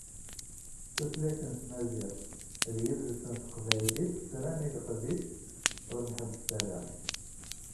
Tutlayt n Tmaziɣt d yidles n teqbaylit sran i leqdic ur nḥebbes ara,.